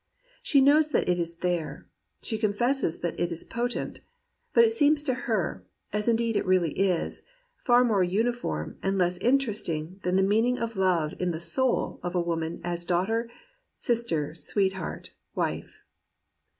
She knows that it is there; she con fesses that it is potent. But it seems to her, (as in deed it really is,) far more uniform and less inter esting than the meaning of love in the soul of a woman as daughter, sister, sweetheart, wife.